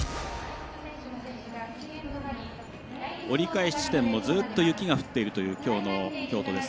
折り返し地点もずっと雪が降っているというきょうの京都です。